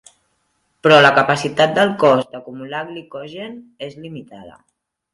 Però la capacitat del cos d'acumular glicogen és limitada.